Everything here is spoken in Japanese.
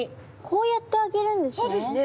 こうやってあげるんですね。